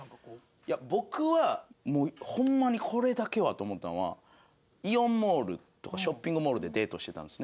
いや僕はもうホンマにこれだけはと思ったんはイオンモールとかショッピングモールでデートしてたんですね